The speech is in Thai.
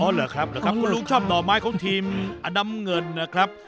เหรอครับคุณลุงชอบหน่อไม้ของทีมอน้ำเงินนะครับ